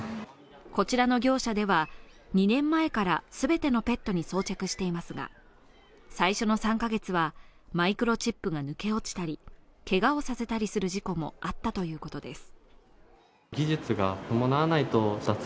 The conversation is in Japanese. こちらの業者では２年前から全てのペットに装着していますが最初の３カ月はマイクロチップが抜け落ちたり、けがをさせたりする事故もあったということです。